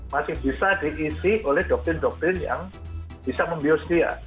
masih bisa diisi oleh doktrin doktrin yang bisa membius dia